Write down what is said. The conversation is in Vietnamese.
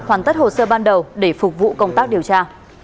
hoàn tất hồ sơ ban đầu để phục vụ công tác điều tra